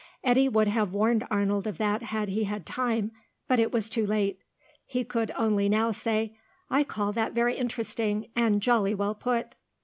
Eddy would have warned Arnold of that had he had time, but it was too late. He could only now say, "I call that very interesting, and jolly well put."